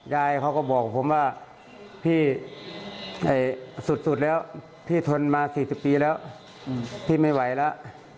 ยายเขาก็บอกผมว่าพี่สุดแล้วพี่ทนมา๔๐ปีแล้วพี่ไม่ไหวแล้ว